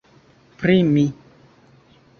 Pri mi!